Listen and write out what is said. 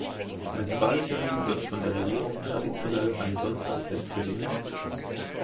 Als Wahltermin wird von der Regierung traditionell ein Sonntag festgelegt.